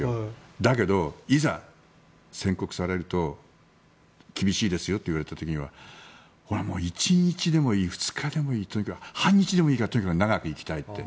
だけどいざ、宣告されると厳しいですよと言われた時には１日でもいい、２日でもいい半日でもいいからとにかく長く生きたいって。